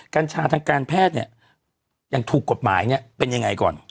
กัญชาทางการแพทย์ยังถูกกฎหมายเป็นยังไงก่อน